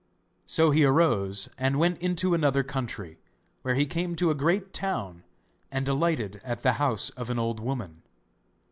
So he arose and went into another country, where he came to a great town, and alighted at the house of an old woman.